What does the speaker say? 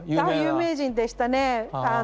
あ有名人でしたね。